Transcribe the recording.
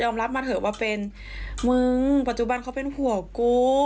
รับมาเถอะว่าเป็นมึงปัจจุบันเขาเป็นห่วงกู